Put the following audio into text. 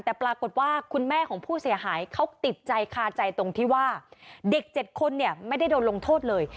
แต่ปรากฏว่าคุณแม่ของผู้เสียหายเขาติดใจคาใจตรงที่ว่าเด็ก๗คนเนี่ยไม่ได้โดนลงโทษเลย